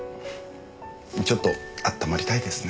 ちょっと温まりたいですね。